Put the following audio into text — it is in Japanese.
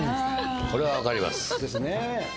これは分かります。ですね。